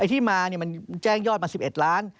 ไอ้ที่มาแจ้งยอดมา๑๑ล้าน